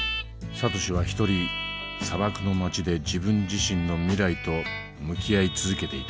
サトシは１人砂漠の街で自分自身の未来と向き合い続けていた。